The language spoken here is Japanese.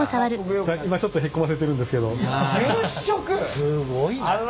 すごいなあ。